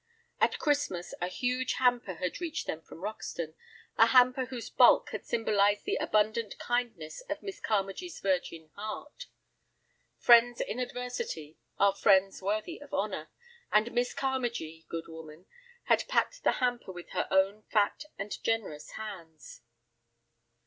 At Christmas a huge hamper had reached them from Roxton, a hamper whose bulk had symbolized the abundant kindness of Miss Carmagee's virgin heart. Friends in adversity are friends worthy of honor, and Miss Carmagee, good woman, had packed the hamper with her own fat and generous hands.